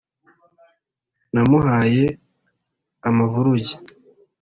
namuhaye amavuruge